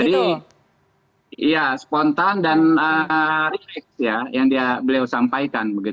iya spontan dan rileks ya yang beliau sampaikan